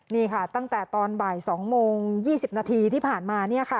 นี่ค่ะตั้งแต่ตอนบ่าย๒โมง๒๐นาทีที่ผ่านมา